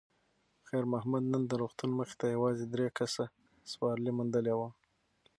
خیر محمد نن د روغتون مخې ته یوازې درې کسه سوارلي موندلې وه.